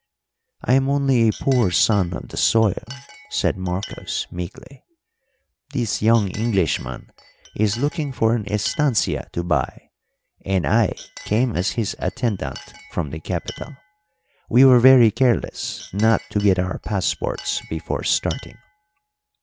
"I am only a poor son of the soil," said Marcos meekly. "This young Englishman is looking for an estancia to buy, and I came as his attendant from the capital. We were very careless not to get our passports before starting."